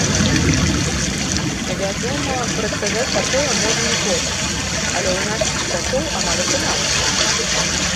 Вядома, прадказаць такое можа не кожны, але ў нашых чытачоў амаль атрымалася!